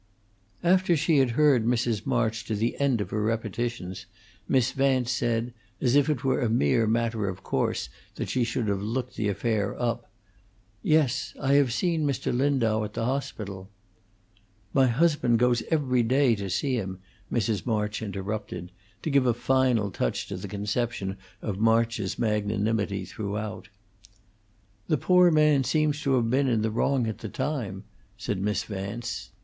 After she had heard Mrs. March to the end even of her repetitions, Miss Vance said, as if it were a mere matter of course that she should have looked the affair up, "Yes, I have seen Mr. Lindau at the hospital " "My husband goes every day to see him," Mrs. March interrupted, to give a final touch to the conception of March's magnanimity throughout. "The poor man seems to have been in the wrong at the time," said Miss Vance.